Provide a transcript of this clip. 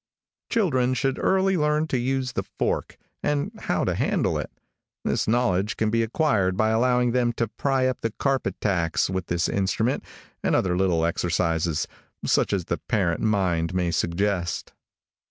Children should early learn the use of the fork, and how to handle it. This knowledge can be acquired by allowing them to pry up the carpet tacks with this instrument, and other little exercises, such as the parent mind may suggest.